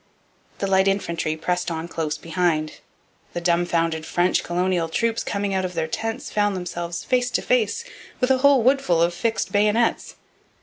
The light infantry pressed on close behind. The dumbfounded French colonial troops coming out of their tents found themselves face to face with a whole woodful of fixed bayonets.